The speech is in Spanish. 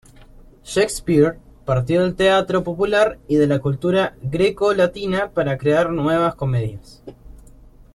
Shakespeare partió del teatro popular y de la cultura grecolatina para crear nuevas comedias.